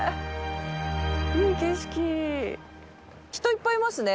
Аいっぱいいますね。